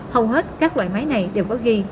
hầu hết các loại máy này đều có ghi